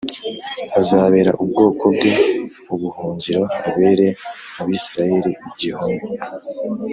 azabera ubwoko bwe ubuhungiro abere Abisirayeli igihome